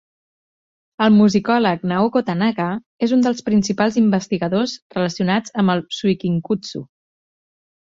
El musicòleg Naoko Tanaka és un dels principals investigadors relacionats amb el "suikinkutsu".